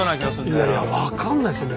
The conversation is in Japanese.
いやいや分かんないすね。